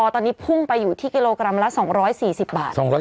ตอนนี้พุ่งไปอยู่ที่กิโลกรัมละ๒๔๐บาท